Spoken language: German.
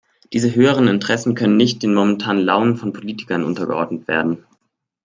Diese höheren Interessen können nicht den momentanen Launen von Politikern untergeordnet werden.